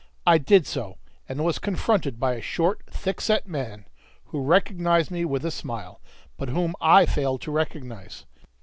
I did so, and was confronted by a short, thickset man, who recognized me with a smile, but whom I failed to recognize.